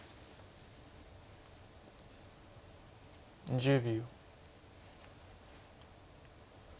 １０秒。